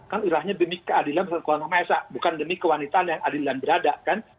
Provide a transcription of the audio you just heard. kan irahnya demi keadilan bersama kewanah ma'a isha bukan demi kewanitan yang adilan berada kan